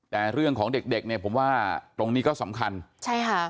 แต่เรื่องของเด็กเด็กเนี่ยผมว่าตรงนี้ก็สำคัญใช่ค่ะ